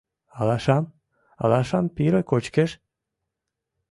Алашам... алашам пире кочкеш?